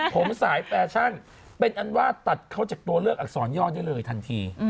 ผมสายแฟชั่นเป็นอันว่าตัดเขาจากตัวเลือกอักษรย่อได้เลยทันที